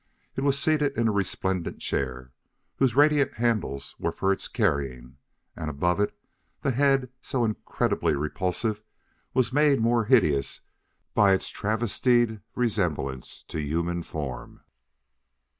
It was seated in a resplendent chair, whose radiating handles were for its carrying; and, above it, the head, so incredibly repulsive, was made more hideous by its travestied resemblance to human form.